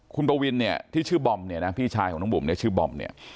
คุณปวินเนี่ยที่ชื่อบอมเนี่ยนะพี่ชายของน้องบุ๋มเนี่ยชื่อบอมเนี่ย